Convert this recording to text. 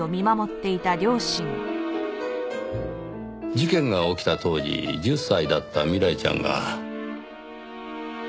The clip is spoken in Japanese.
事件が起きた当時１０歳だった未来ちゃんが。